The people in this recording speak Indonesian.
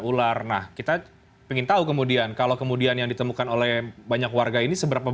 ular nah kita ingin tahu kemudian kalau kemudian yang ditemukan oleh banyak warga ini seberapa